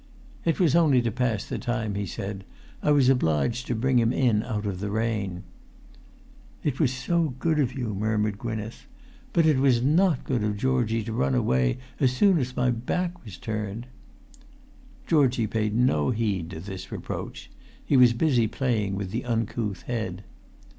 "It was only to pass the time," he said. "I was obliged to bring him in out of the rain." "It was so good of you," murmured Gwynneth. "But it was not good of Georgie to run away as soon as my back was turned!" Georgie paid no heed to this reproach; he was busy playing with the uncouth head.